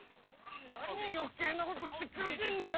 何よけいなことしてくれてんだよ